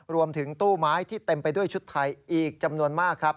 รวมถึงตู้ไม้ที่เต็มไปด้วยชุดไทยอีกจำนวนมากครับ